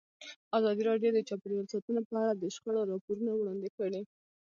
ازادي راډیو د چاپیریال ساتنه په اړه د شخړو راپورونه وړاندې کړي.